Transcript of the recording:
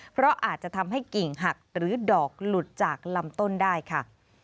เพราะอาจจะทำให้กิ่งหักหรือดอกหลุดจากลำต้นได้ค่ะ